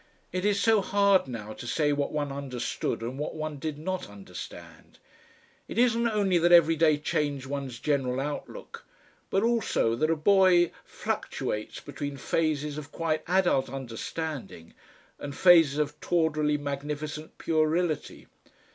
It is so hard now to say what one understood and what one did not understand. It isn't only that every day changed one's general outlook, but also that a boy fluctuates between phases of quite adult understanding and phases of tawdrily magnificent puerility.